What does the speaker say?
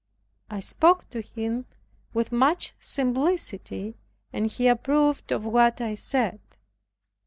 I spoke to him with much simplicity and he approved of what I said.